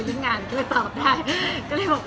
ก็เลยบอกว่าเห็นใจเขาไม่รู้ทำยังไง